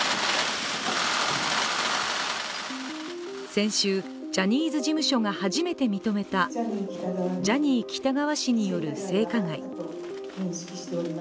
先週、ジャニーズ事務所が初めて認めたジャニー喜多川氏による性加害。